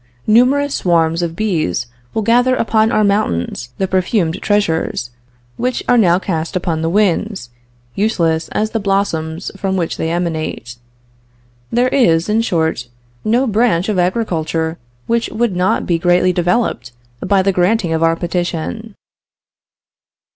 Numerous swarms of bees will gather upon our mountains the perfumed treasures, which are now cast upon the winds, useless as the blossoms from which they emanate. There is, in short, no branch of agriculture which would not be greatly developed by the granting of our petition.